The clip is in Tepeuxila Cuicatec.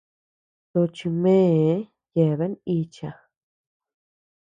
Tochi mee yeabean icha.